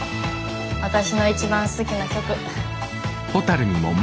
わたしの一番好きな曲。